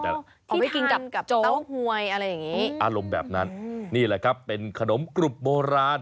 เอาไว้กินกับโจ๊กอารมณ์แบบนั้นนี่แหละครับเป็นขนมกรุบโบราณ